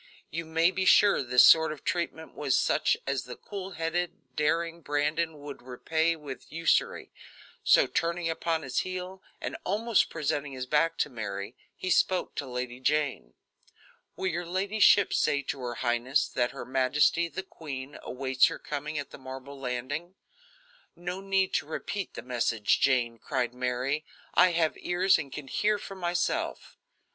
You may be sure this sort of treatment was such as the cool headed, daring Brandon would repay with usury; so, turning upon his heel and almost presenting his back to Mary, he spoke to Lady Jane: "Will your ladyship say to her highness that her majesty, the queen, awaits her coming at the marble landing?" "No need to repeat the message, Jane," cried Mary. "I have ears and can hear for myself."